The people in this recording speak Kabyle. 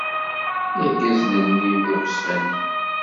Irgazen-nni d iɣezfanen.